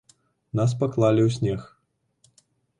Нас паклалі ў снег.